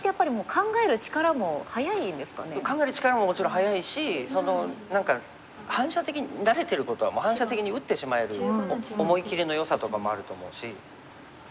考える力ももちろん早いし何か反射的に慣れてることはもう反射的に打ってしまえる思いきりのよさとかもあると思うし。